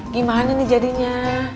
gimana nih jadinya